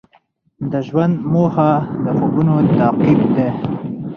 د ژوند موخه د خوبونو تعقیب دی.